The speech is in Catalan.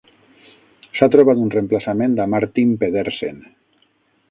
S'ha trobat un reemplaçament a Martin Pedersen.